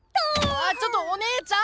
あちょっとお姉ちゃん！